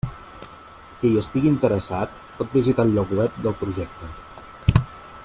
Qui hi estigui interessat, pot visitar el lloc web del projecte.